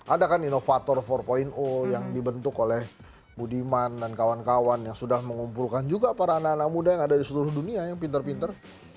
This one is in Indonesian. ada kan inovator empat yang dibentuk oleh budiman dan kawan kawan yang sudah mengumpulkan juga para anak anak muda yang ada di seluruh dunia yang pinter pinter